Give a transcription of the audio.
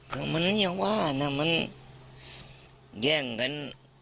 ก็มันยังว่านะมันแย่งกัน